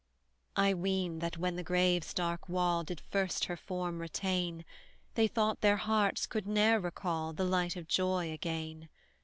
I ween, that when the grave's dark wall Did first her form retain, They thought their hearts could ne'er recall The light of joy again.